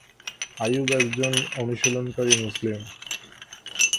আইয়ুব একজন অনুশীলনকারী মুসলিম।